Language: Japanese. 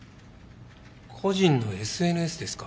個人のＳＮＳですか。